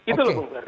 itu lho bu ferdi